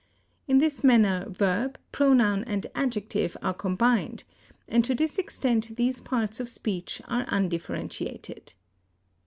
In this manner verb, pronoun, and adjective are combined, and to this extent these parts of speech are undifferentiated.